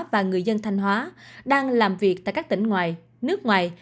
và người dân thanh hóa đang làm việc tại các tỉnh ngoài nước ngoài